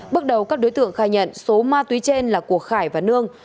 bước đầu các đối tượng khai nhận số ma túy trên là của khải và nương